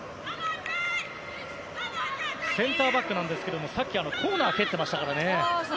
センターバックですがさっき、コーナー蹴ってましたからね。